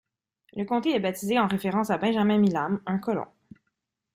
Le comté est baptisé en référence à Benjamin Milam, un colon.